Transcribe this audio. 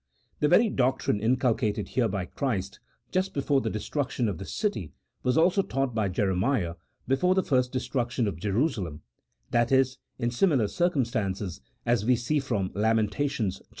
The very doctrine inculcated here by Christ just before the de struction of the city was also taught by Jeremiah before the first destruction of Jerusalem, that is, in similar circum stances, as we see from Lamentations iii.